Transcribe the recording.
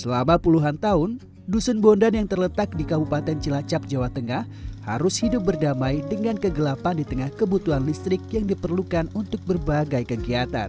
selama puluhan tahun dusun bondan yang terletak di kabupaten cilacap jawa tengah harus hidup berdamai dengan kegelapan di tengah kebutuhan listrik yang diperlukan untuk berbagai kegiatan